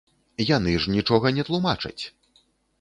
Яны ж нічога не тлумачаць!